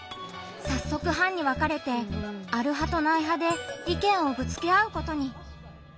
さっそく班に分かれて「ある派」と「ない派」で意見をぶつけ合うことに。